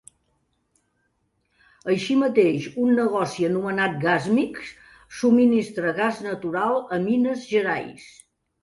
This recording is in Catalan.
Així mateix, un negoci anomenat Gasmig subministra gas natural a Minas Gerais.